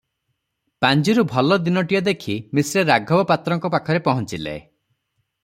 ପାଞ୍ଜିରୁ ଭଲ ଦିନଟିଏ ଦେଖି ମିଶ୍ରେ ରାଘବ ପାତ୍ରଙ୍କ ପାଖରେ ପହଞ୍ଚିଲେ ।